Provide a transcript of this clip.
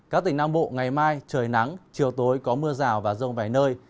các tỉnh nam bộ ngày mai trời nắng chiều tối có mưa rào và rông vài nơi